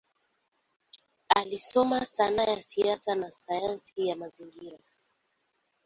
Alisoma sayansi ya siasa na sayansi ya mazingira.